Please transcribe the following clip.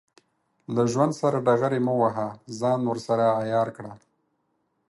له ژوند سره ډغرې مه وهه، ځان ورسره عیار کړه.